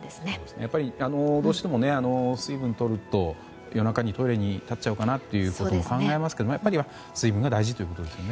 やっぱりどうしても水分をとると夜中にトイレに立っちゃうかなということを考えますけれど、やっぱり水分が大事ということですね。